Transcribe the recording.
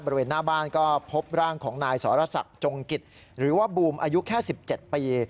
บริเวณหน้าบ้านก็พบร่างของนายสรษักจงกิจหรือว่าบูมอายุแค่๑๗ปี